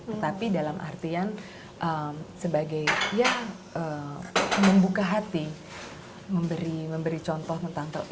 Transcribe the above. tetapi dalam artian sebagai ya membuka hati memberi contoh tentang toleran